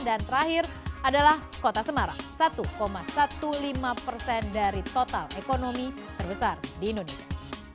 dan terakhir adalah kota semarang satu lima belas persen dari total ekonomi terbesar di indonesia